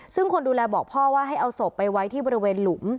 ซึ่งคนดูแลบอกพ่อว่าให้เอาศพไปไว้ที่บริเวณหลุม